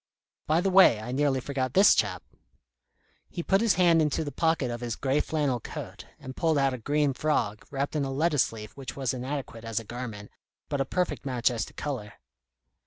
By the way, I nearly forgot this chap." He put his hand into the pocket of his grey flannel coat, and pulled out a green frog, wrapped in a lettuce leaf which was inadequate as a garment, but a perfect match as to colour.